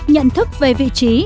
nhận thức về vị trí